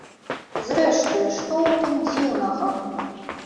Зрэшты, што ў тым дзіўнага?